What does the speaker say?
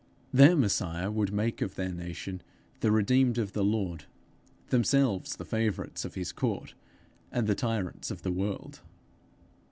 Their Messiah would make of their nation the redeemed of the Lord, themselves the favourites of his court, and the tyrants of the world!